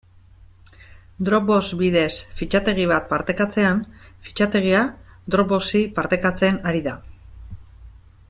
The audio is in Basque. Dropbox bidez fitxategi bat partekatzean, fitxategia Dropboxi partekatzen ari da.